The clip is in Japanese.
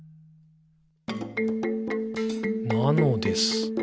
「なのです。」